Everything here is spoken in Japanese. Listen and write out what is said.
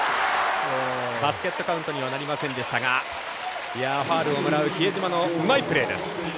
バスケットカウントにはなりませんでしたがファウルをもらう比江島のうまいプレーです。